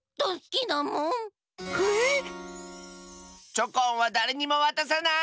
チョコンはだれにもわたさない！